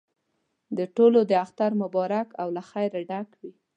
د ټولو دې اختر مبارک او له خیره ډک وي.